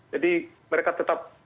jadi mereka tetap